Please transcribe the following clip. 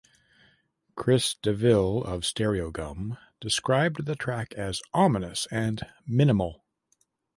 Chris Deville of "Stereogum" described the track as "ominous" and "minimal".